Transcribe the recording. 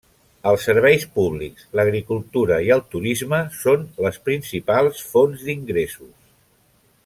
Els serveis públics, l'agricultura i el turisme són les principals fonts d'ingressos.